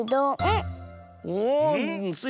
おおスイ